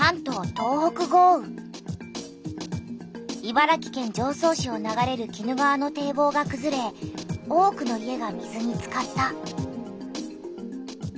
茨城県常総市を流れる鬼怒川の堤防がくずれ多くの家が水につかった。